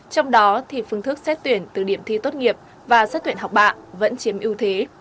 trong đó thì phương thức xét tuyển từ điểm thi tốt nghiệp và xét tuyển học bạ vẫn chiếm ưu thế